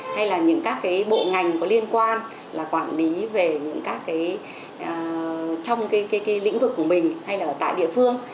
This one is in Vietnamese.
hay là những các cái bộ ngành có liên quan là quản lý về những các cái trong cái lĩnh vực của mình hay là ở tại địa phương